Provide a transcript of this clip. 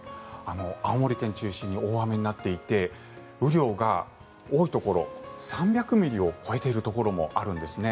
青森県を中心に大雨になっていて雨量が多いところ３００ミリを超えているところもあるんですね。